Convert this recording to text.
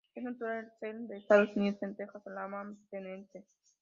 Es natural del sur de Estados Unidos en Texas, Alabama, Tennessee.